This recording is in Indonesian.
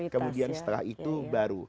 kemudian setelah itu baru